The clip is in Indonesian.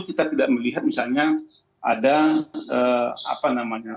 kita tidak melihat misalnya ada apa namanya